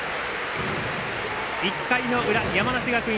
２回の裏、山梨学院